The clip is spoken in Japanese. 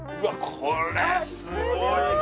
これすごいな。